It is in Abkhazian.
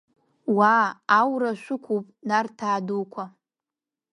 Уаа, аура шәықәуп, Нарҭаа дуқәа!